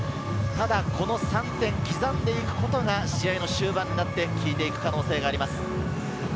ただ３点を刻んでいくことが試合の終盤になってきいていく可能性があります。